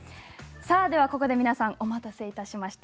ここで皆さんお待たせいたしました。